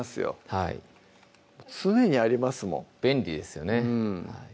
はい常にありますもん便利ですよね